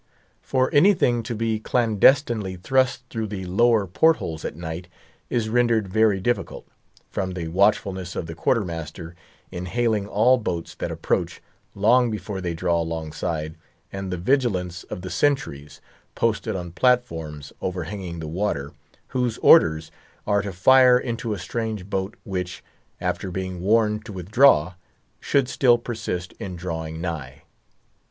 For anything to be clandestinely thrust through the lower port holes at night, is rendered very difficult, from the watchfulness of the quarter master in hailing all boats that approach, long before they draw alongside, and the vigilance of the sentries, posted on platforms overhanging the water, whose orders are to fire into a strange boat which, after being warned to withdraw, should still persist in drawing nigh.